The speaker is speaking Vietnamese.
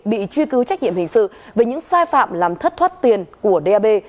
bị truy cứu trách nhiệm hình sự về những sai phạm làm thất thoát tiền của d a b